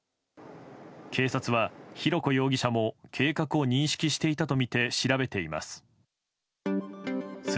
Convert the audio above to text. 警察は、浩子容疑者も計画を認識していたとみて調べています。